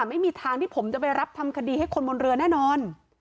ไม่มีทางที่ผมจะไปรับทำคดีให้คนบนเรือแน่นอน